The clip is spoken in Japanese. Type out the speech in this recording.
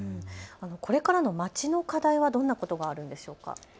これからの町の課題はどんなことがあるんでしょうか。